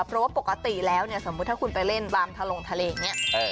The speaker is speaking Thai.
เพราะว่าปกติแล้วเนี่ยสมมุติถ้าคุณไปเล่นตามทะลงทะเลอย่างนี้